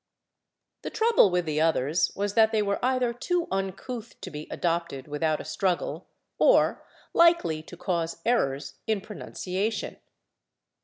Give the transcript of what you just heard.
The trouble with the others was that they were either too uncouth to be adopted without a struggle or likely to cause errors in pronunciation.